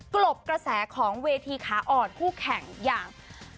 กลบกระแสของเวทีขาอ่อนคู่แข่งอย่าง